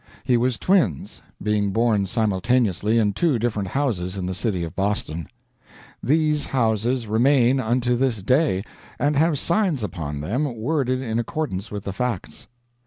He was twins, being born simultaneously in two different houses in the city of Boston. These houses remain unto this day, and have signs upon them worded in accordance with the facts.